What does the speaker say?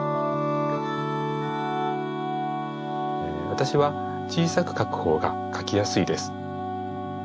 わたしはちいさくかくほうがかきやすいです。